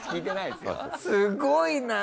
すごいな！